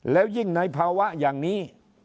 แล้วยิ่งในภาวะอย่างนี้